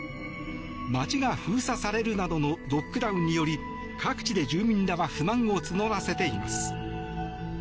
街が封鎖されるなどのロックダウンにより各地で住民らは不満を募らせています。